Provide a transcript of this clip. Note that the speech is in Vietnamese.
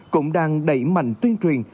cũng đang đẩy mạnh tuyên truyền